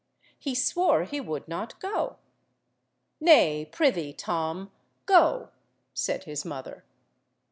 He swore he would not go. "Nay, prithee, Tom, go," said his mother.